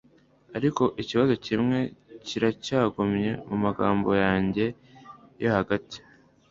ariko ikibazo kimwe kiracyagumye mumagambo yanjye yo hagati